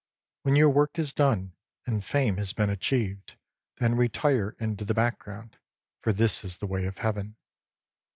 When your work is done and fame has been achieved, then retire into the background ; for this is the Way of Heaven.